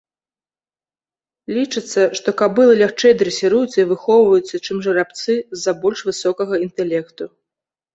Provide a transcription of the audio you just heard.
Лічыцца, што кабылы лягчэй дрэсіруюцца і выхоўваюцца, чым жарабцы з-за больш высокага інтэлекту.